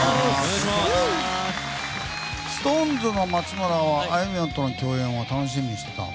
ＳｉｘＴＯＮＥＳの松村はあいみょんとの共演を楽しみにしてたの？